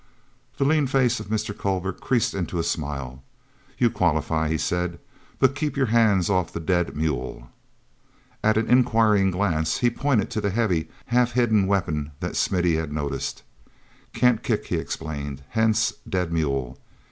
The lean face of Mr. Culver creased into a smile. "You qualify," he said. "But keep your hands off the dead mule." At an inquiring glance he pointed to the heavy, half hidden weapon that Smithy had noticed. "Can't kick," he explained, "—hence 'dead mule.'